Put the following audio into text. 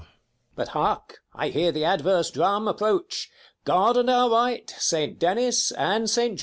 But hark, I hear the adverse drum approach. God and our right, saint Denis, and saint George.